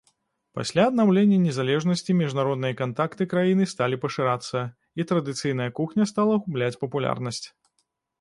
Пасля аднаўлення незалежнасці міжнародныя кантакты краіны сталі пашырацца, і традыцыйная кухня стала губляць папулярнасць.